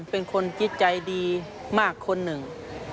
เป็นคนจิตใจดีมากคนหนึ่ง